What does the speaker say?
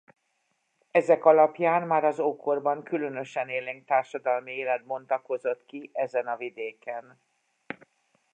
Ezek alapján már az ókorban különösen élénk társadalmi élet bontakozott ki ezen a vidéken.